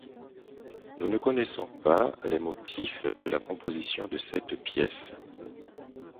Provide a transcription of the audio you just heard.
Nous ne connaissons pas les motifs de la composition de cette petite pièce.